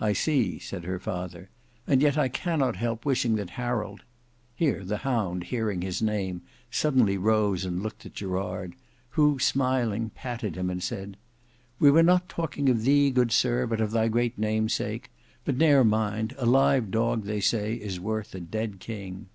"I see," said her father, "and yet I cannot help wishing that Harold—" Here the hound, hearing his name, suddenly rose and looked at Gerard, who smiling, patted him and said, "We were not talking of thee, good sir, but of thy great namesake; but ne'er mind, a live dog they say is worth a dead king."